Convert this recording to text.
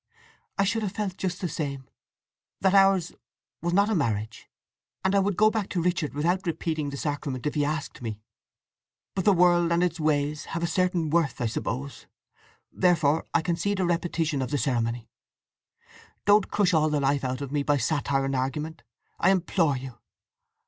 "I should have felt just the same—that ours was not a marriage. And I would go back to Richard without repeating the sacrament, if he asked me. But 'the world and its ways have a certain worth' (I suppose), therefore I concede a repetition of the ceremony… Don't crush all the life out of me by satire and argument, I implore you!